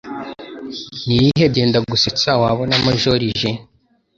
Niyihe Byendagusetsa Wabonamo joriji